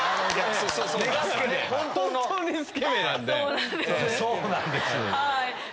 「そうなんです」。